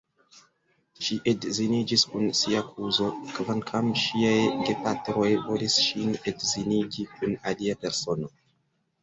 Ŝi edziniĝis kun sia kuzo, kvankam ŝiaj gepatroj volis ŝin edzinigi kun alia persono.